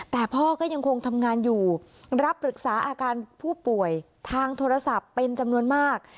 แต่พ่อก็ยังคงทำงานอยู่รับปรึกษาอาการผู้ป่วยทางโทรศัพท์เป็นจำนวนมาก